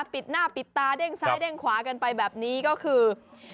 ปิดหน้าปิดตาเด้งซ้ายเด้งขวากันไปแบบนี้ก็คือ